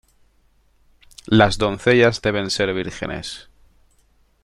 Las doncellas deben ser vírgenes.